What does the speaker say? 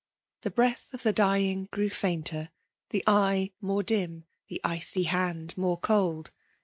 The breaA of the dying grew fainter, the eye more dim, the icy hand more cold.